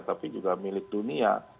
tapi juga milik dunia